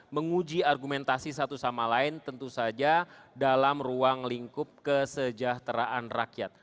menguji argumentasi satu sama lain tentu saja dalam ruang lingkup kesejahteraan rakyat